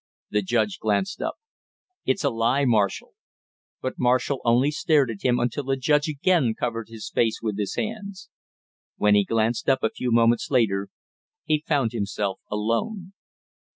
The judge glanced up. "It's a lie, Marshall!" But Marshall only stared at him until the judge again covered his face with his hands. When he glanced up a few moments later, he found himself alone.